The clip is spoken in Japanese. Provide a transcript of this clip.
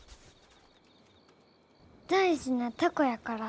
大事な凧やから。